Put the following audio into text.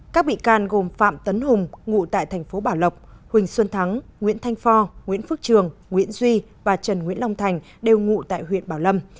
các bị can gồm phạm tấn hùng ngụ tại thành phố bảo lộc huỳnh xuân thắng nguyễn thanh phò nguyễn phước trường nguyễn duy và trần nguyễn long thành đều ngụ tại huyện bảo lâm